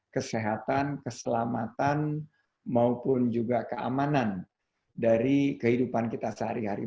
kesehatan keselamatan maupun juga keamanan dari kehidupan kita sehari hari